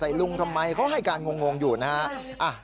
ใส่ลุงทำไมเค้าให้การงงอยู่นะครับ